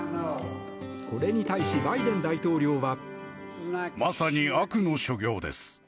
これに対しバイデン大統領は。